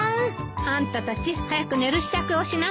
あんたたち早く寝る支度をしなさい。